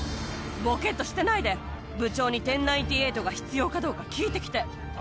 ぼけっとしてないで、部長に１０ー９８が必要かどうか聞いてきて。